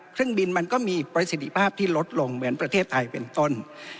เครื่องบินมันก็มีประสิทธิภาพที่ลดลงเหมือนประเทศไทยเป็นต้น